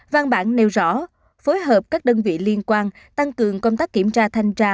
văn bản nêu rõ phối hợp các đơn vị liên quan tăng cường công tác kiểm tra thanh tra